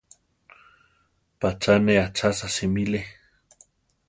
Pacha ne achasa simiré.